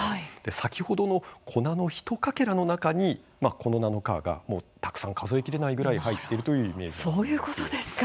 先ほどの粉の１かけらの中にこのナノカーが、たくさん数え切れないぐらい入っているというイメージになります。